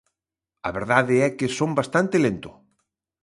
A verdade é que son bastante lento.